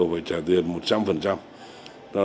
họ chữa bệnh họ đều phải trả tiền một trăm linh